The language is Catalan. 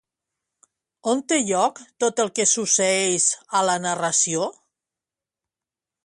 On té lloc tot el que succeeix a la narració?